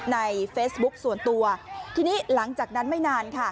ในเฟซบุ๊กส่วนตัวทีนี้หลังจากนั้นไม่นานค่ะ